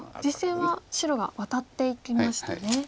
実戦は白がワタっていきましたね。